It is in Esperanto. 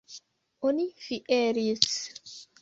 Oni fieris.